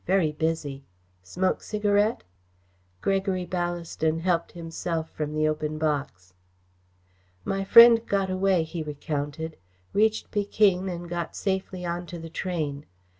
"Very busy. Smoke cigarette?" Gregory Ballaston helped himself from the open box. "My friend got away," he recounted; "reached Pekin and got safely on to the train.